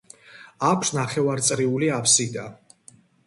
აქვს ნახევარწრიული აფსიდა.